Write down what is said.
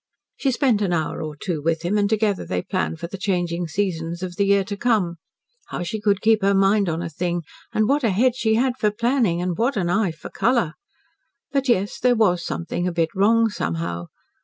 She spent an hour or two with him, and together they planned for the changing seasons of the year to come. How she could keep her mind on a thing, and what a head she had for planning, and what an eye for colour! But yes there was something a bit wrong somehow.